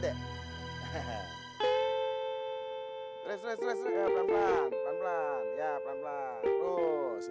terus terus terus pelan pelan ya pelan pelan terus ya